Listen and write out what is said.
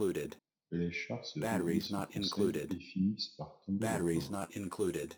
Les chats se réunissent en conseil et finissent par tomber d'accord.